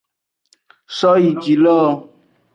Soyijilo.